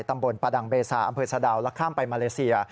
ตำบลประดังเบซาอำเภอสะดาวและข้ามไปมาเลเซีย